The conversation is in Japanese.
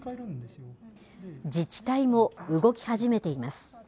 自治体も動き始めています。